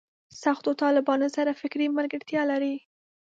سختو طالبانو سره فکري ملګرتیا لري.